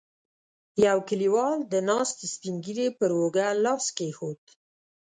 يوه کليوال د ناست سپين ږيری پر اوږه لاس کېښود.